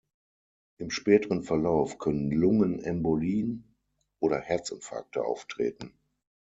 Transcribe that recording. Im späteren Verlauf können Lungenembolien oder Herzinfarkte auftreten.